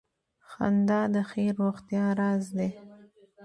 • خندا د ښې روغتیا راز دی.